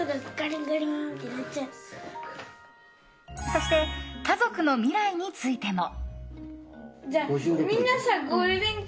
そして、家族の未来についても。